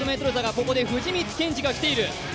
ここで藤光謙司が来ている。